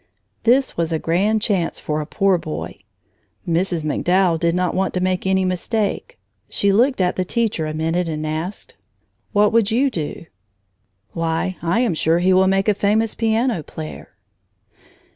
This was a grand chance for a poor boy. Mrs. MacDowell did not want to make any mistake. She looked at the teacher a minute and asked: "What would you do?" "Why, I am sure he will make a famous piano player."